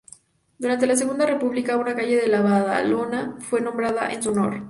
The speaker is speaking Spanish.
Durante la Segunda República, una calle de la Badalona fue nombrada en su honor.